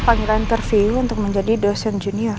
panggilan interview untuk menjadi dosen junior